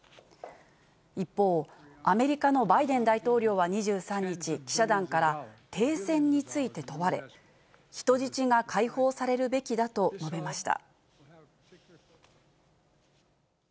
一方、アメリカのバイデン大統領は２３日、記者団から停戦について問われ、人質が解放されるべきだと述べました。